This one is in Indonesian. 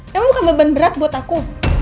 memang bukan beban berat buat aku